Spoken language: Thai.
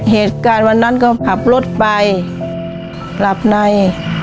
เหตุการณ์วันนั้นก็ขับรถไปหลับใน